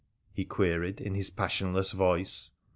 ' he queried in his passionless voice.